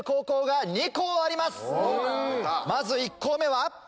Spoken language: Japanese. まず１校目は。